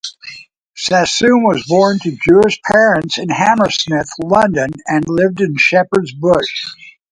Sassoon was born to Jewish parents in Hammersmith, London, and lived in Shepherd's Bush.